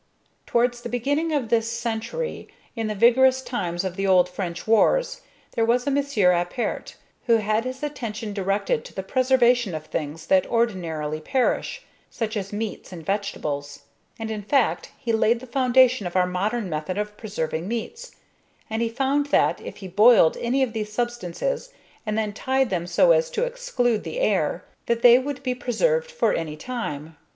Towards the beginning of this century, in the vigorous times of the old French wars, there was a Monsieur Appert, who had his attention directed to the preservation of things that ordinarily perish, such as meats and vegetables, and in fact he laid the foundation of our modern method of preserving meats; and he found that if he boiled any of these substances and then tied them so as to exclude the air, that they would be preserved for any time.